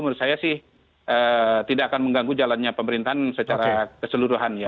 menurut saya sih tidak akan mengganggu jalannya pemerintahan secara keseluruhan ya